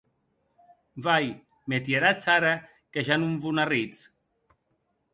Vai, me tieratz ara qua ja non vo n’arritz?